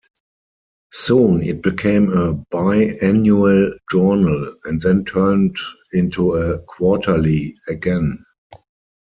Soon it became a bi-annual journal, and then turned into a quarterly again.